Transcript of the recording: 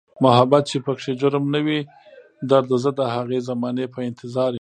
محبت چې پکې جرم نه وي درده، زه د هغې زمانې په انتظاریم